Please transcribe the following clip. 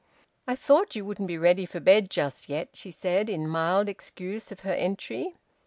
"I thought you wouldn't be ready for bed just yet," she said, in mild excuse of her entry.